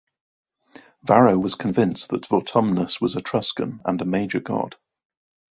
Varro was convinced that Vortumnus was Etruscan, and a major god.